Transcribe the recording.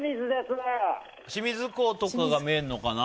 清水港とかが見えるのかな。